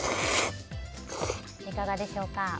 いかがでしょうか？